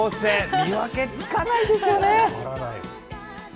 見分けつかないですよね。